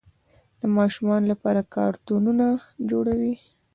د ماشومانو لپاره کارتونونه جوړوي.